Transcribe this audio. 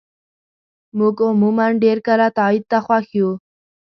موږ عموماً ډېر کله تایید ته خوښ یو.